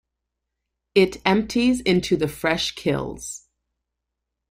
It empties into the Fresh Kills.